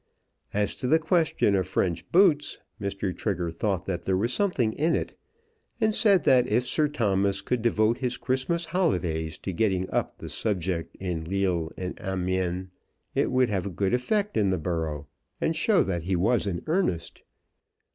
As to the question of French boots, Mr. Trigger thought that there was something in it, and said that if Sir Thomas could devote his Christmas holidays to getting up the subject in Lille and Amiens, it would have a good effect in the borough, and show that he was in earnest.